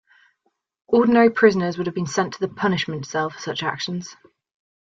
Ordinary prisoners would have been sent to the punishment cell for such actions.